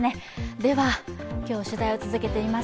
では、今日取材を続けています